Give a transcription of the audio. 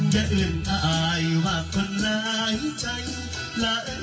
ที่รำจะอะไร